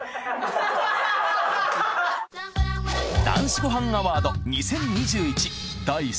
男子ごはんアワード２０２１